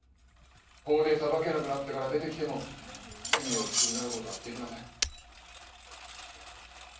法で裁けなくなってから出て来ても罪を償うことはできません。